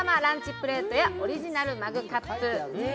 プレートやオリジナルマグカップ。